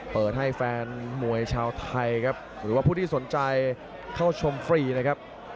เปิดให้แฟนมวยชาวไทยครับหรือว่าผู้ที่สนใจเข้าชมฟรีนะครับ